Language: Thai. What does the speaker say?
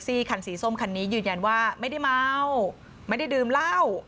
ท่านนี้ยืนยันว่าไม่ได้เมาไม่ได้ดื่มเหล้า